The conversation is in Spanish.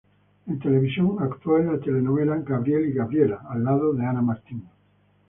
En televisión actuó en la telenovela "Gabriel y Gabriela" al lado de Ana Martín.